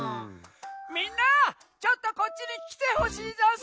・みんなちょっとこっちにきてほしいざんす！